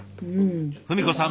文子さん